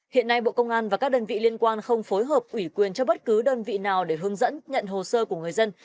hiện nay bộ công an và các đơn vị liên quan không phối hợp ủy quyền cho bất cứ đơn vị nào để hướng dẫn nhận hồ sơ của người dân